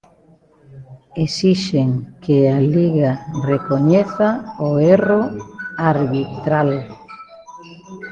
Esixen que a Liga recoñeza o erro arbitral.